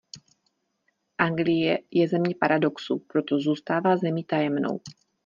Anglie je země paradoxů; proto zůstává zemí tajemnou.